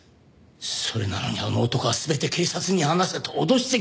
それなのにあの男は全て警察に話せと脅してきたんだ